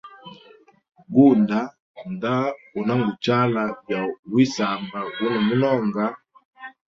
Gunda nda unanguchala bya wisamba guno munonga.